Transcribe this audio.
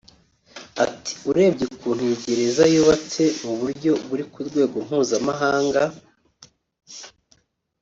Ati “Urebye ukuntu iyi gereza yubatse mu buryo buri ku rwego mpuzamahanga